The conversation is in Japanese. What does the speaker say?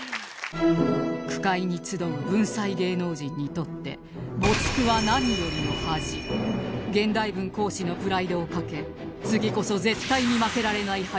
句会に集う文才芸能人にとって現代文講師のプライドを懸け次こそ絶対に負けられない林先生